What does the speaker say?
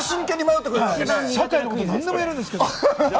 社会のことは何でも言えるんですけど。